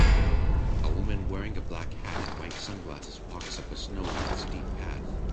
A woman wearing a black hat and white sunglasses walks up a snowy and steep path.